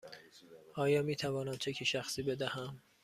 آیا می توانم چک شخصی بدهم؟